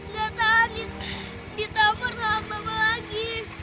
nggak tahan ditampar sama bapak lagi